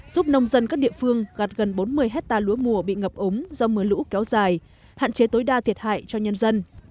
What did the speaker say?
giúp nông dân các địa phương gạt gần bốn mươi hectare lúa mùa bị ngập ống do mưa lũ kéo dài hạn chế tối đa thiệt hại cho nhân dân